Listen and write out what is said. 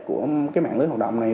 của mạng lưới hoạt động này